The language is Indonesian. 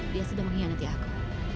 dia sudah mengkhianati aku